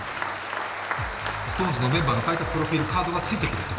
ＳｉｘＴＯＮＥＳのメンバーの書いたプロフィールカードがついてくると。